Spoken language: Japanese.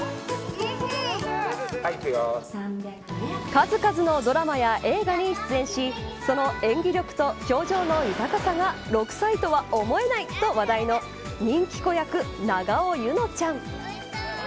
数々のドラマや映画に出演しその演技力と表情の豊かさが６歳とは思えないと話題の人気子役、永尾柚乃ちゃん。